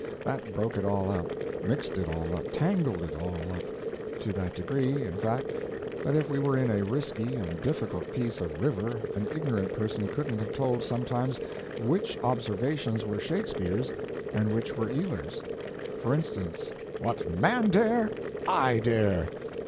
That broke it all up, mixed it all up, tangled it all up—to that degree, in fact, that if we were in a risky and difficult piece of river an ignorant person couldn't have told, sometimes, which observations were Shakespeare's and which were Ealer's. For instance: What man dare, I dare!